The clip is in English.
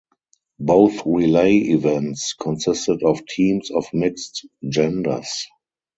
Both relay events consisted of teams of mixed genders.